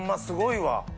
すごいわ！